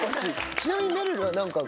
ちなみに。